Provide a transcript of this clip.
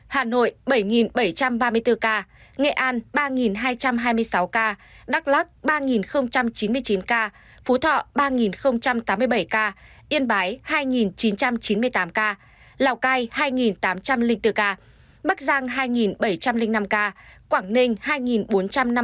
hà nội bảy bảy trăm ba mươi bốn ca nghệ an ba hai trăm hai mươi sáu ca đắk lắk ba chín mươi chín ca phú thọ ba tám mươi bảy ca yên bái hai chín trăm chín mươi tám ca lào cai hai tám trăm linh bốn ca bắc giang hai bảy trăm linh năm ca